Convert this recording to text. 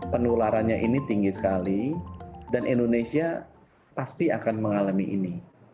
penularannya ini tinggi sekali dan indonesia pasti akan mengalami ini